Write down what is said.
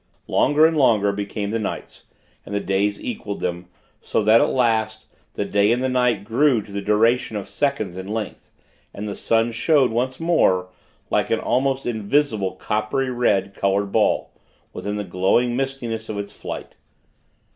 Longer and longer became the nights, and the days equaled them; so that, at last, the day and the night grew to the duration of seconds in length, and the sun showed, once more, like an almost invisible, coppery red colored ball, within the glowing mistiness of its flight.